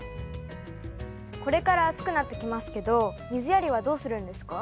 これから暑くなってきますけど水やりはどうするんですか？